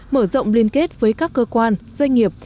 mở rộng liên kết với các cơ quan doanh nghiệp